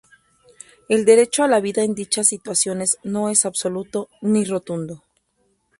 El derecho a la vida en dichas situaciones no es absoluto, ni rotundo.